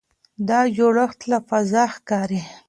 دا جوړښت له فضا ښکاري.